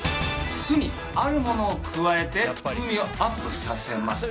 酢にあるものを加えて風味をアップさせます。